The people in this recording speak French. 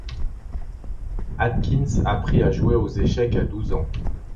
Atkins apprit à jouer aux échecs à douze ans.